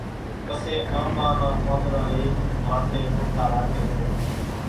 پسيَ آنٻا نان پانۮڙان لئينَ ماٿيَ ٽوٺا راکيَ سي۔